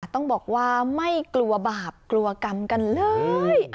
ต้องบอกว่าไม่กลัวบาปกลัวกรรมกันเลย